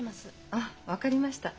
あっ分かりました。